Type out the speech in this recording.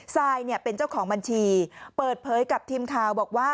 ซายเนี่ยเป็นเจ้าของบัญชีเปิดเผยกับทีมข่าวบอกว่า